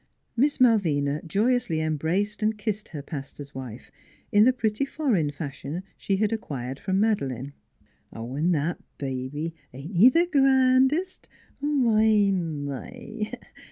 Miss Malvina joyously embraced and kissed her pastor's wife, in the pretty foreign fashion she had acquired from Madeleine. "An* that baby; ain't he the grandest? My! My!